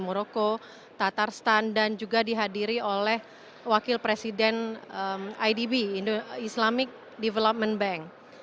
moroko tatarstan dan juga dihadiri oleh wakil presiden idb islamic development bank